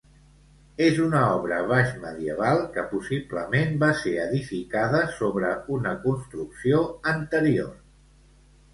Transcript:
És una obra baixmedieval que possiblement va ser edificada sobre una construcció anterior.